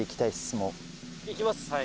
いきます